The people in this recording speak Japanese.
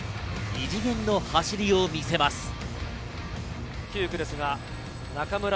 異次元の走りを見せます。